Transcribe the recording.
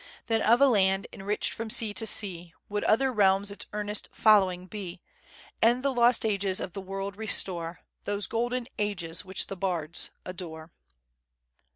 Then of a land, enriched from sea to sea, Would other realms its earnest following be, And the lost ages of the world restore Those golden ages which the bards adore."